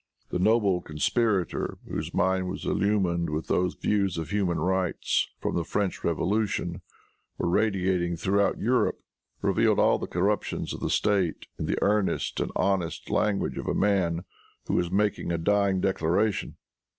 The noble conspirator, whose mind was illumined with those views of human rights which, from the French Revolution, were radiating throughout Europe, revealed all the corruptions of the State in the earnest and honest language of a man who was making a dying declaration.